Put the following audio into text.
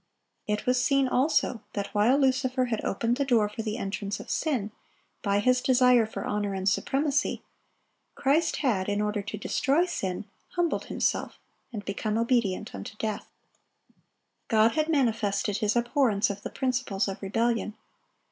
(886) It was seen, also, that while Lucifer had opened the door for the entrance of sin, by his desire for honor and supremacy, Christ had, in order to destroy sin, humbled Himself, and become obedient unto death. God had manifested His abhorrence of the principles of rebellion.